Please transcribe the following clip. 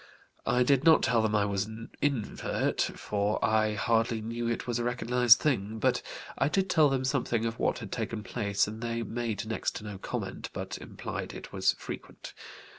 I did not tell them I was an 'invert,' for I hardly knew it was a recognized thing, but I did tell them something of what had taken place, and they made next to no comment, but implied it was frequent.